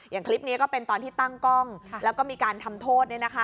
คลิปนี้ก็เป็นตอนที่ตั้งกล้องแล้วก็มีการทำโทษ